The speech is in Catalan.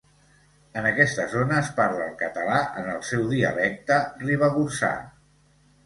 En aquesta zona es parla el català en el seu dialecte ribagorçà.